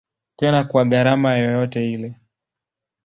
Tena kwa gharama yoyote ile.